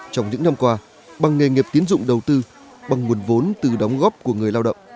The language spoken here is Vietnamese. trong những năm qua bằng nghề nghiệp tiến dụng đầu tư bằng nguồn vốn từ đóng góp của người lao động